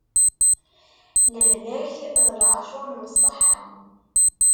Lehlak d laɛcuṛ n ṣṣeḥḥa.